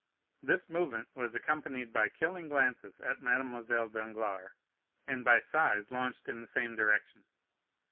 This movement was accompanied by killing glances at Mademoiselle Danglars, and by sighs launched in the same direction.